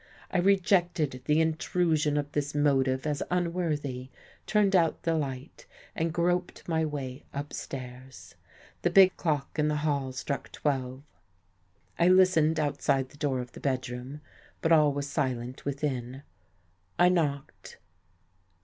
I rejected the intrusion of this motive as unworthy, turned out the light and groped my way upstairs. The big clock in the hall struck twelve. I listened outside the door of the bedroom, but all was silent within. I knocked.